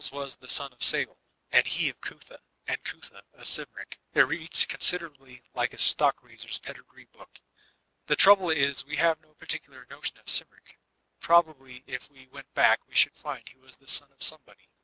*'Cyntp\s was tiie son of Ceol, and he of Cutha, and Cutha of Cymric." It reads considerably like a stock raiser's ped^ee book. The trouble is, we have no par ticular notion of Cymric Probably if we went back we riiould find he was the son of Somebody.